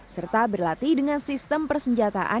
serta berlatih dengan sistem persenjataan